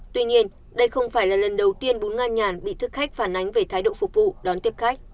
tuy nhiên đây không phải là lần đầu tiên bún nga nhàn bị thức khách phản ánh về thái độ phục vụ đón tiếp khách